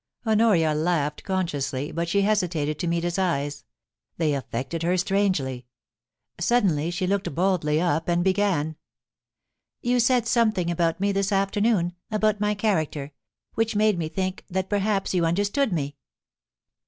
Honoria laughed consciously, but she hesitated to meet his eyes ; they affected her strangely. Suddenly she looked boldly up and began :* You said something about me this afternoon — ^about my character — which made me think that perhaps you under stood me.'